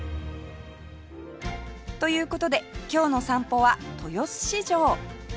という事で今日の散歩は豊洲市場